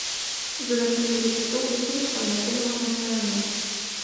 Զորացրվելուց հետո ուսումը շարունակել է համալսարանում։